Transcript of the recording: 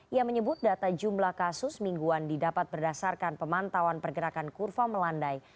ia menyebut data jumlah kasus mingguan didapat berdasarkan pemantauan pergerakan kurva melandai